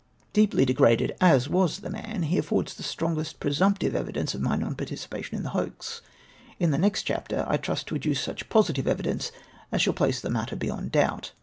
Deeply degraded as was the man, he affords the strongest 2^^'^'^umptive evidence of my non participation in the hoax. In the next chapter I trust vO adduce such jyositive evidence as shall place the matter beyond doubt.